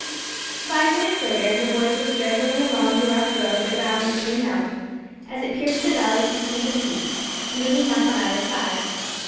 Five minutes later, and the boys were straggling along the rough road that wound in and out, as it pierced the valleys between the peaks looming up on either side.